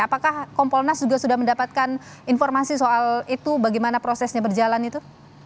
apakah kompolnas juga sudah mendapatkan informasi soal itu bagaimana prosesnya berjalan itu